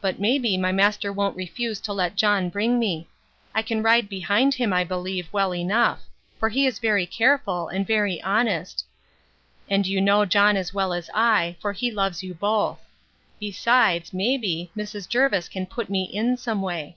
But may be my master won't refuse to let John bring me. I can ride behind him, I believe, well enough; for he is very careful, and very honest; and you know John as well as I; for he loves you both. Besides, may be, Mrs. Jervis can put me in some way.